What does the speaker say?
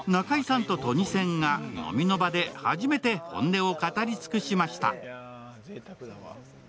今回は、中居さんとトニセンが飲みの場で初めて本音を語り尽くしました。